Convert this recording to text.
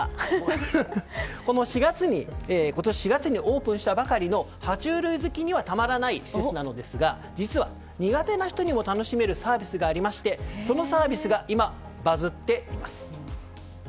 今年４月にオープンしたばかりの爬虫類好きにはたまらない施設なのですが実は苦手な人にも楽しめるサービスがありましてそのサービスが今、バズっています。